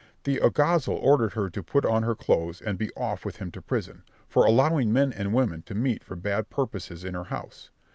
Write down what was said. The alguazil ordered her to put on her clothes and be off with him to prison, for allowing men and women to meet for bad purposes in her house.